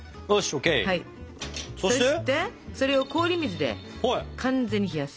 そしてそれを氷水で完全に冷やす。